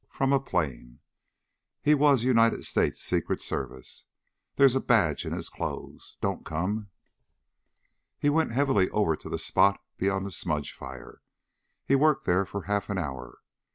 From a plane. He was United States Secret Service. There's a badge in his clothes. Don't come." He went heavily over to the spot beyond the smudge fire. He worked there for half an hour.